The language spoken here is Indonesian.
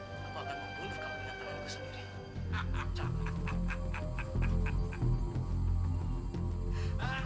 atau kamu akan mengguluhkan punya tanganku sendiri